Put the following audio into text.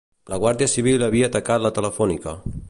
La Guàrdia Civil havia atacat la Telefònica